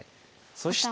そして。